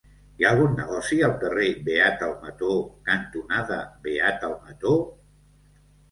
Hi ha algun negoci al carrer Beat Almató cantonada Beat Almató?